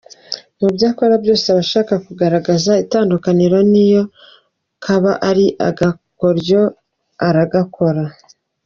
Mu byo akora byose aba ashaka kugaragaza itandukaniro niyo kaba ari agakoryo aragakora.